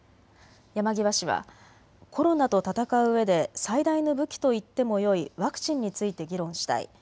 山際氏はコロナと戦ううえで最大の武器と言ってもよいワクチンについて議論したい。